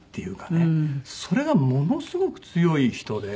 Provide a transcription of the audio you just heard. それがものすごく強い人で。